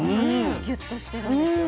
ギュッとしてるんですよ。